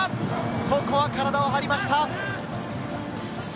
ここは体を張りました。